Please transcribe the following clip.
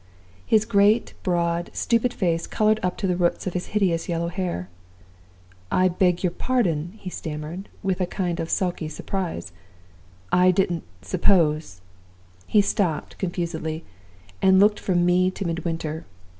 "His great, broad, stupid face colored up to the roots of his hideous yellow hair. 'I beg your pardon,' he stammered, with a kind of sulky surprise. 'I didn't suppose ' He stopped confusedly, and looked from me to Midwinter.